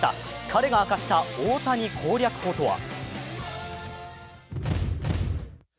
彼が明かした大谷攻略法とは？